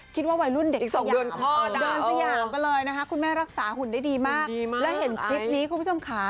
คิดว่าวัยรุ่นเด็กสยามนะฮะคุณแม่รักษาหุ่นได้ดีมากและเห็นคลิปนี้คุณผู้ชมขา